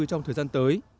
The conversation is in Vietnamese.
trong thời gian tới